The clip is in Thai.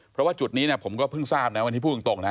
เพราะว่าจุดนี้ผมก็เพิ่งทราบนะวันนี้พูดตรงนะ